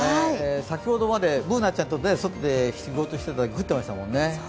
先ほどまでＢｏｏｎａちゃんと外で仕事してたとき降ってたものね。